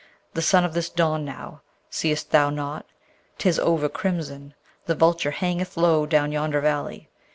The sun of this dawn now, seest thou not? 'tis overcrimson; the vulture hangeth low down yonder valley.'